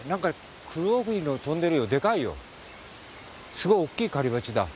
すごい大きい狩りバチだ。